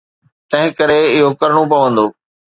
تنهنڪري اهو ڪرڻو پوندو.